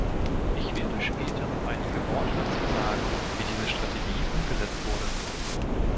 Ich werde später noch einige Worte dazu sagen, wie diese Strategie umgesetzt wurde.